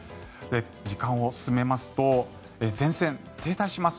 時間を進めますと前線、停滞します。